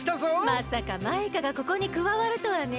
まさかマイカがここにくわわるとはねえ。